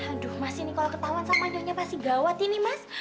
aduh mas ini kalau ketahuan sama anjahnya pasti gawat ini mas